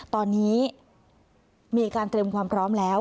ตอนนี้มีการเตรียมความพร้อมแล้ว